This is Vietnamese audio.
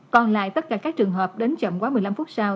còn lại tất cả các trường hợp đến chậm quá một mươi năm phút sau